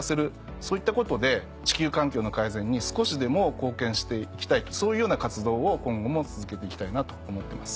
そういったことで地球環境の改善に少しでも貢献していきたいとそういうような活動を今後も続けていきたいなと思ってます。